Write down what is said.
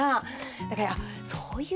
だからそういう